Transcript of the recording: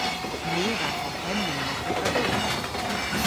My a wra gorhemmyn neppyth ragowgh.